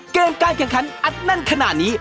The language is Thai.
เกมการแข่งขันอัดนั้นขนาดนี้